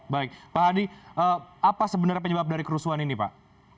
baik pak hadi apa sebenarnya penyebab dari kerusuhan ini pak